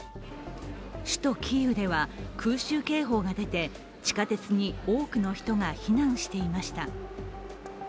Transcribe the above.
首都キーウでは空襲警報が出て地下鉄に多くの人が避難していました。